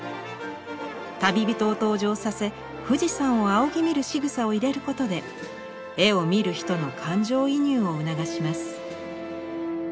旅人を登場させ富士山を仰ぎ見るしぐさを入れることで絵を見る人の感情移入を促します。